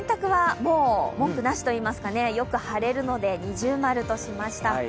文句なしといいますかよく晴れるので◎としました。